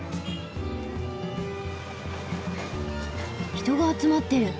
人が集まってる。